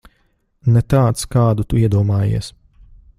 Ne tāds, kādu tu iedomājies.